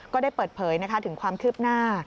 ก็ได้เปิดเผยถึงความคืบหน้า